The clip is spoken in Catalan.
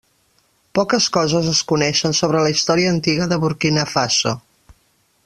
Poques coses es coneixen sobre la història antiga de Burkina Faso.